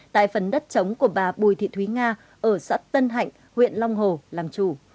tại phần đất trống của bà bùi thị thúy nga ở sắt tân hạnh huyện long hồ làm chủ